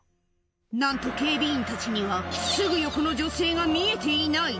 なんと警備員たちには、すぐ横の女性が見えていない。